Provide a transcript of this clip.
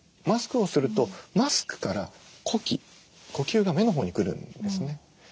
マスクをするとマスクから呼気呼吸が目のほうに来るんですね。